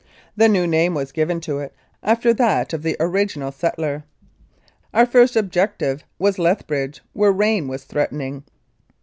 The new name was given to it after that of the original settler. Our first objective was Lethbridge, where rain was threatening.